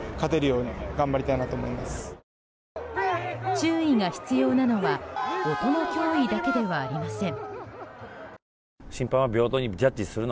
注意が必要なのは音の脅威だけではありません。